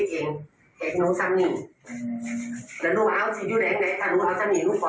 โชคเฉพาะสำรวจค่ะแม่งค่ะพ่อตายเขาก็เลยเสียอาวุธ